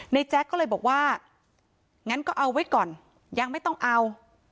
แจ๊กก็เลยบอกว่างั้นก็เอาไว้ก่อนยังไม่ต้องเอา